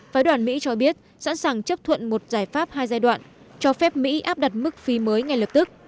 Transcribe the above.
phái đoàn mỹ cho biết sẵn sàng chấp thuận một giải pháp hai giai đoạn cho phép mỹ áp đặt mức phí mới ngay lập tức